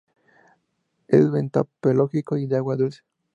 Es bentopelágico y de agua dulce.